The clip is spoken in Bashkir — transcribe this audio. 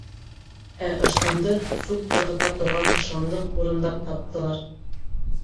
Ә ыштанды сүп ырғыта торған ташландыҡ урындан таптылар.